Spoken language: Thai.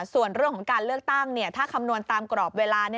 ส่วนเรื่องของการเลือกตั้งถ้าคำนวณตามกรอบเวลา